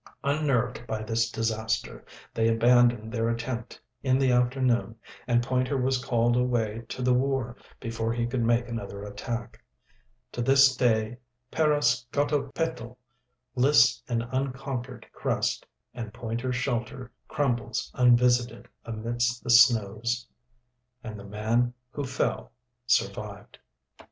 Unnerved by this disaster, they abandoned their attempt in the afternoon, and Pointer was called away to the war before he could make another attack. To this day Parascotopetl lifts an unconquered crest, and Pointer's shelter crumbles unvisited amidst the snows. And the man who fell survived.